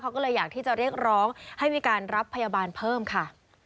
เขาก็เลยอยากที่จะเรียกร้องให้มีการรับพยาบาลเพิ่มค่ะ